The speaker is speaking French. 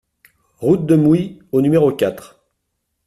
Route de Mouy au numéro quatre